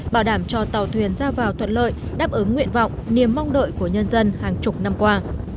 bảo đảm cho tàu thuyền ra vào thuận lợi đáp ứng nguyện vọng niềm mong đợi của nhân dân hàng chục năm qua